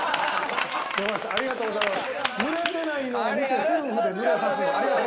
ありがとうございます。